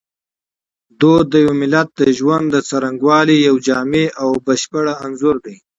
فرهنګ د یو ملت د ژوند د څرنګوالي یو جامع او بشپړ انځور دی.